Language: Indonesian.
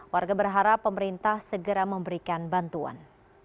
warga berharap pemerintah segera memberikan bantuan